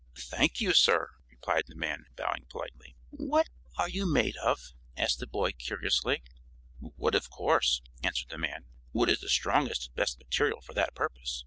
"Thank you, sir," replied the man, bowing politely. "What are you made of?" asked the boy, curiously. "Wood, of course," answered the man. "Wood is the strongest and best material for that purpose.